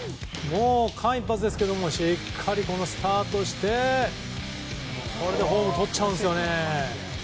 間一髪ですけどしっかりスタートしてホームをとっちゃうんですよね。